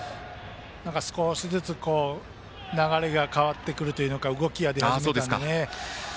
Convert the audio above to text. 少しずつ流れが変わってくるというか動きが出始めましたね。